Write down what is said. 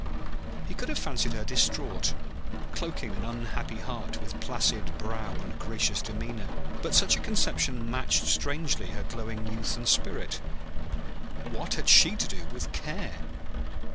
He could have fancied her distraught, cloaking an unhappy heart with placid brow and gracious demeanor; but such a conception matched strangely her glowing youth and spirit. What had she to do with Care?